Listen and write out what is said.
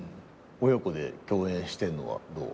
親子で共演してんのはどう？